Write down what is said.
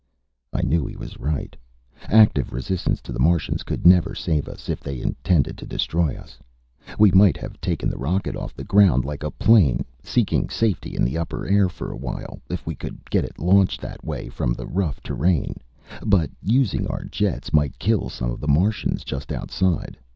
I knew he was right. Active resistance to the Martians could never save us, if they intended to destroy us. We might have taken the rocket off the ground like a plane, seeking safety in the upper air for a while, if we could get it launched that way from the rough terrain. But using our jets might kill some of the Martians just outside.